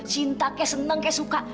cinta kek seneng kek suka